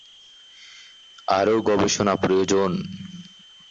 আরও গবেষণা প্রয়োজন।